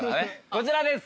こちらです。